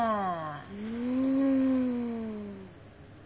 うん。